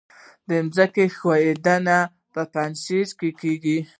د ځمکې ښویدنه په پنجشیر کې کیږي